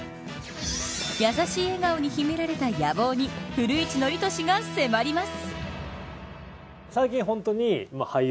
やさしい笑顔に秘められた野望に古市憲寿が迫ります。